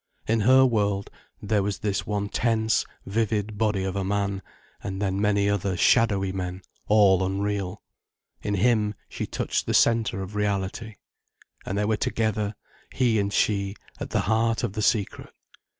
In her world, there was this one tense, vivid body of a man, and then many other shadowy men, all unreal. In him, she touched the centre of reality. And they were together, he and she, at the heart of the secret.